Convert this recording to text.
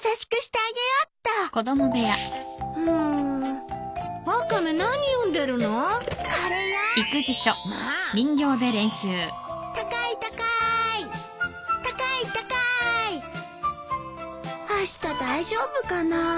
あした大丈夫かな？